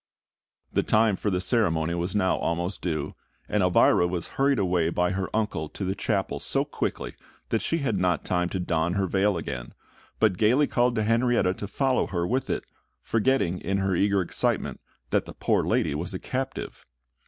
The time for the ceremony was now almost due; and Elvira was hurried away by her uncle to the chapel so quickly that she had not time to don her veil again, but gaily called to Henrietta to follow her with it, forgetting in her eager excitement that the poor lady was a captive.